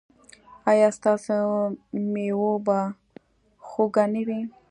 ایا ستاسو میوه به خوږه نه وي؟